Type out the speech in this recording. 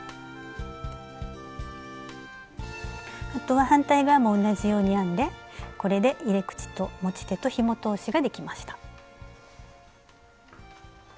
あとは反対側も同じように編んでこれで入れ口と持ち手とひも通しができました。